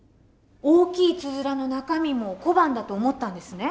大きいつづらの中身も小判だと思ったんですね？